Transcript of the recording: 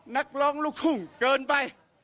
นักร้องลูกทุ่งเกินไป